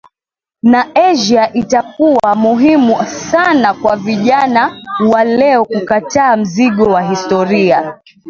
na Asia Itakuwa muhimu sana kwa vijana wa leo kukataa mzigo wa historia